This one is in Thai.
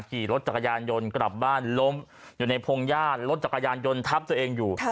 ขี่รถจักรยานยนต์กลับบ้านล้มอยู่ในพงหญ้ารถจักรยานยนต์ทับตัวเองอยู่